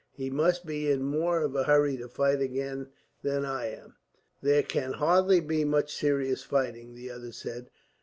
He must be in more of a hurry to fight again than I am." "There can hardly be much serious fighting," the other said.